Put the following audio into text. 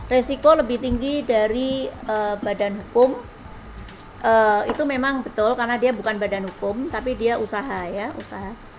resiko lebih tinggi dari badan hukum itu memang betul karena dia bukan badan hukum tapi dia usaha ya usaha